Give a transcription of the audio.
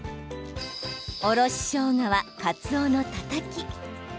おろししょうがはかつおのたたき。